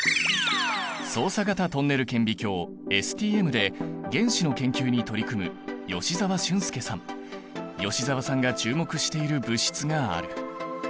走査型トンネル顕微鏡ＳＴＭで原子の研究に取り組む吉澤さんが注目している物質がある。